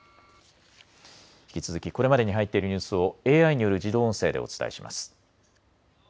引き続きこれまでに入っているニュースをＡＩによる自動音声でお伝えします。